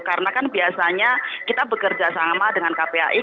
karena kan biasanya kita bekerja sama dengan kpai